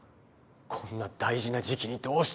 こんな大事な時期にどうして！